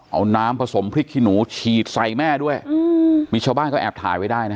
เอาน้ำผสมพริกขี้หนูฉีดใส่แม่ด้วยอืมมีชาวบ้านก็แอบถ่ายไว้ได้นะ